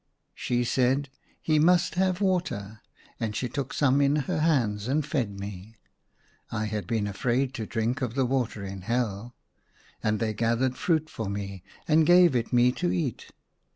She said, " He must have water" ; and she took some in her hands, and fed me (I had been afraid to drink of the water in Hell), and they gathered fruit for me, and gave it me to eat.